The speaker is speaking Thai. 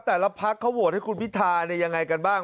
แต่ละพักเขาโหดให้คุณพิธาเนี่ยยังไงกันบ้าง